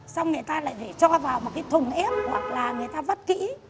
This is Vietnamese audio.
xong người ta lại phải cho vào một cái thùng ép hoặc là người ta vắt kỹ